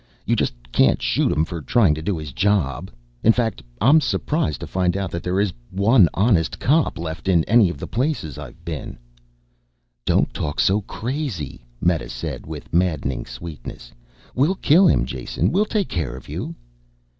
You just can't shoot him for trying to do his job. In fact I'm surprised to find out that there is one honest cop left on any of the places I've been." "Don't talk so crazy," Meta said with maddening sweetness. "We'll kill him, Jason. We'll take care of you."